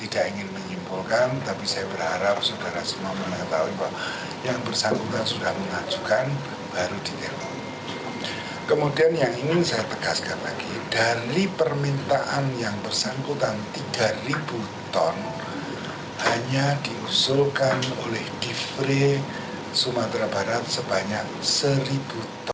dari permintaan yang bersangkutan tiga ton hanya diusulkan oleh gifri sumatera barat sebanyak satu ton